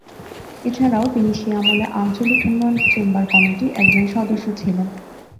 এছাড়াও তিনি সে আমলে আঞ্চলিক উন্নয়ন চেম্বার কমিটির একজন সদস্য ছিলেন।